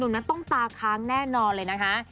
นั้นต้องตาค้างแน่นอนเลยนะคะ